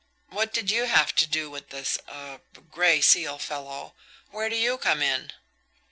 What did you have to do with this er Gray Seal fellow? Where do you come in?"